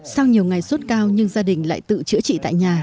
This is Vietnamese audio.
sau nhiều ngày sốt cao nhưng gia đình lại tự chữa trị tại nhà